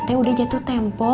sudah jatuh tempo